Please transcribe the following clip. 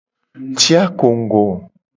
Ci akongugo.